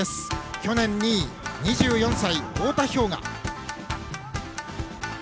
去年２位、２４歳太田彪雅。